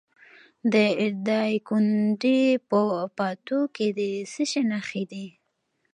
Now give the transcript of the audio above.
د دایکنډي په پاتو کې د څه شي نښې دي؟